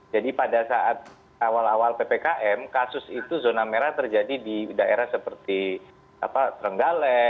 jadi pada saat awal awal ppkm kasus itu zona merah terjadi di daerah seperti terenggale